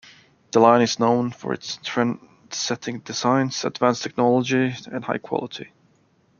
The line is known for its trendsetting designs, advanced technology, and high quality.